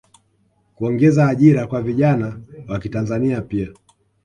kuongeza ajira kwa vijana wakitanzania pia